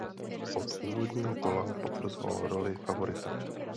Od úvodního kola potvrzoval roli favorita.